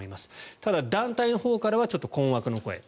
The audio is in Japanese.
ただ、団体のほうからは困惑の声。